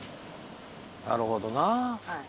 なるほどな。